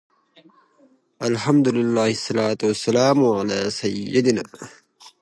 کرکټ د بازيو له لاري ښوونه کوي.